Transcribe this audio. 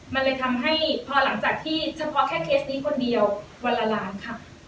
มันเลยทำให้พอหลังจากที่เฉพาะแค่เคสนี้คนเดียววันละล้านค่ะ